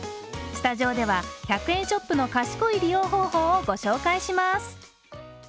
スタジオでは１００円ショップの賢い利用方法を紹介します。